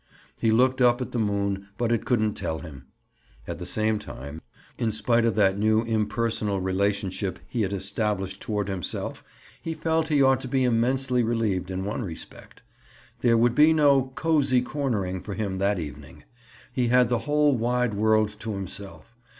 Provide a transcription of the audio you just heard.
He looked up at the moon, but it couldn't tell him. At the same time, in spite of that new impersonal relationship he had established toward himself, he felt he ought to be immensely relieved in one respect. There would be no "cozy cornering" for him that evening. He had the whole wide world to himself.